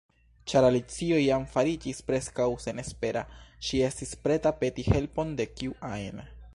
Ĉar Alicio jam fariĝis preskaŭ senespera, ŝi estis preta peti helpon de kiu ajn.